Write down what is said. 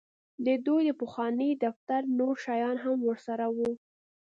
د دوی د پخواني دفتر نور شیان هم ورسره وو